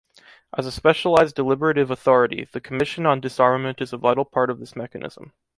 As a specialized deliberative authority, the Commission on Disarmament is a vital part of this mechanism.